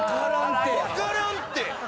分からんって！